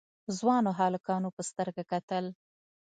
ځوانو هلکانو په سترګه کتل.